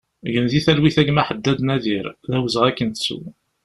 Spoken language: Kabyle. Gen di talwit a gma Ḥaddad Nadir, d awezɣi ad k-nettu!